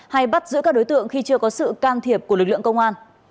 hay bắt giữ các đối tượng khi chưa có sự can thiệp của lực lượng công an